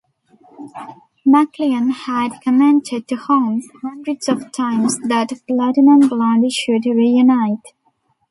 McLean had commented to Holmes "hundreds of times" that Platinum Blonde should re-unite.